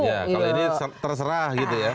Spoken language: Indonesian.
iya kalau ini terserah gitu ya